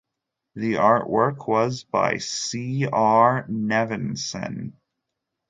The artwork was by C. R. Nevinson.